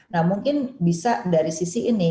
nah mungkin bisa dari sisi ini